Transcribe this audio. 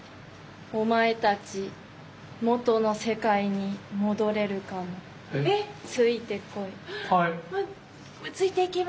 お前たち元の世界に戻れるかもついてこい。